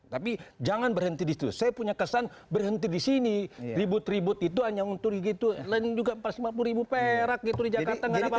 tapi jangan berhenti di situ saya punya kesan berhenti di sini ribut ribut itu hanya untuk empat ratus lima puluh ribu perak gitu di jakarta nggak ada apa apa